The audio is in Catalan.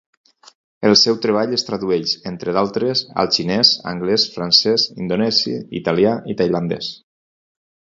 El seu treball es tradueix, entre d'altres, al xinès, anglès, francès, indonesi, italià i tailandès.